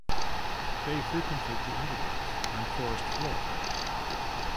They frequented the undergrowth and forest floor.